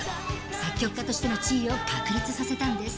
作曲家としての地位を確立させたんです。